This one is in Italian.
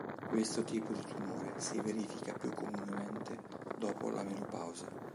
Questo tipo di tumore si verifica più comunemente dopo la menopausa.